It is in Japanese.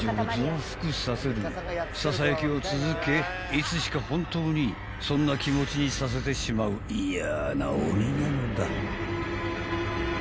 ［ささやきを続けいつしか本当にそんな気持ちにさせてしまう嫌な鬼なのだ］